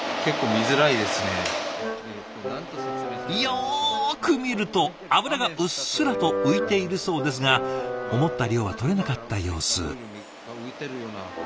よく見ると油がうっすらと浮いているそうですが思った量はとれなかった様子。